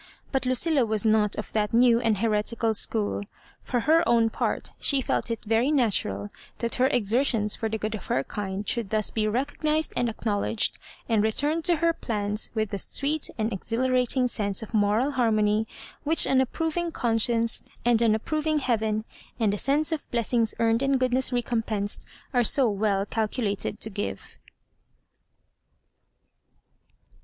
But Lucilla was not of that new and heretical school. For her own part, she felt it very natural that her exertions for the good of her kind should thus be recognised and acknowledged, and returned to her plans with that sweet and exhilarating sense of moral har mony which an approving conscience, and an approving heaven, and a sense of blessings earned and goodness recompensed, are so well calculated to give.